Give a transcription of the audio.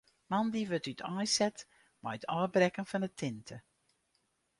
Moandei wurdt úteinset mei it ôfbrekken fan de tinte.